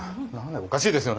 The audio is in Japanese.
おかしいですよね。